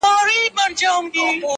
تا غرڅه غوندي اوتر اوتر کتلای!!